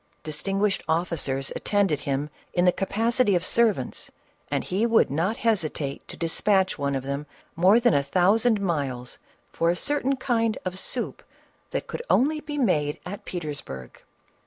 Distin guished officers attended him in the capacity of ser vants, and he would not hesitate to despatch one of them more than a thousand miles for a certain kind of soup that could only be made at Petersburg.